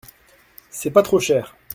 C’est pas trop cher.